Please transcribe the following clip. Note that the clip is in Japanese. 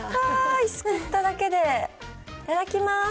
いただきます。